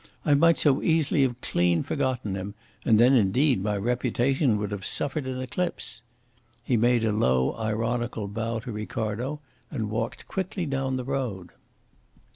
I might so easily have clean forgotten him, and then indeed my reputation would have suffered an eclipse." He made a low, ironical bow to Ricardo and walked quickly down the road.